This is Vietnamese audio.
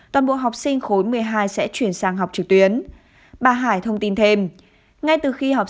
một mươi hai toàn bộ học sinh khối một mươi hai sẽ chuyển sang học trực tuyến bà hải thông tin thêm ngay từ khi học